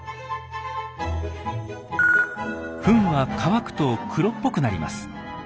フンは乾くと黒っぽくなります。